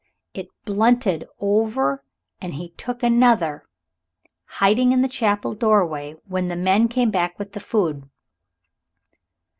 It blunted over and he took another, hiding in the chapel doorway when the men came back with the food.